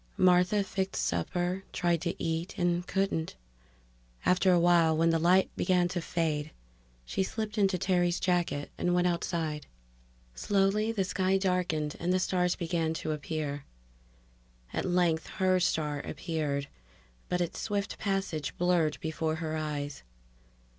Martha fixed supper, tried to eat, and couldn't. After a while, when the light began to fade, she slipped into Terry's jacket and went outside. Slowly the sky darkened and the stars began to appear. At length her star appeared, but its swift passage blurred before her eyes.